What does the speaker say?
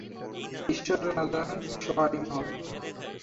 ঈশ্বর রাজার সহায় হউন!